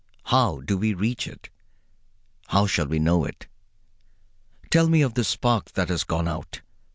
How do we reach it? How shall we know it? Tell me of this spark that has gone out.